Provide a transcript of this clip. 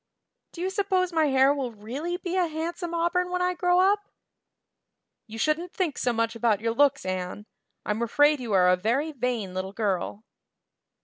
Do you suppose my hair will really be a handsome auburn when I grow up?" "You shouldn't think so much about your looks, Anne. I'm afraid you are a very vain little girl."